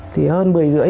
thì hơn bữa rưỡi